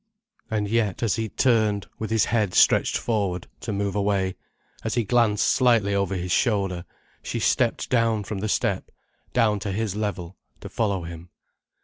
And yet as he turned, with his head stretched forward, to move away: as he glanced slightly over his shoulder: she stepped down from the step, down to his level, to follow him.